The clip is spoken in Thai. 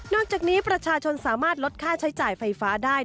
จากนี้ประชาชนสามารถลดค่าใช้จ่ายไฟฟ้าได้